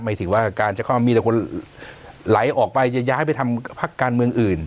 หมายถึงว่าการจะเข้ามามีแต่คนไหลออกไปจะย้ายไปทำพักการเมืองอื่น